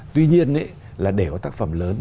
tuy nhiên là để có tác phẩm lớn